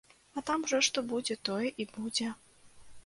А там ужо што будзе, тое і будзе.